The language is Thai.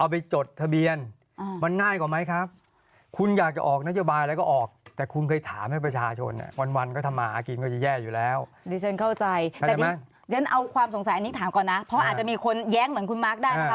เพราะอาจจะมีคนแย้งเหมือนคุณมาร์คได้